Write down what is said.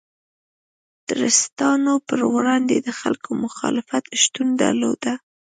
د ټرستانو پر وړاندې د خلکو مخالفت شتون درلود.